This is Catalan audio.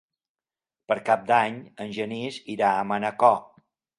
Per Cap d'Any en Genís irà a Manacor.